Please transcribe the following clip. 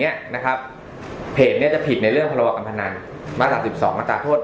เนี้ยนะครับเพจเนี้ยจะผิดในเรื่องธรรมกรรมพนันมาตรศาสตร์